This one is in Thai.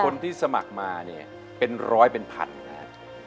คนที่สมัครมาเนี่ยเป็นร้อยเป็นพันนะครับ